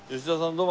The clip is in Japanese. どうも。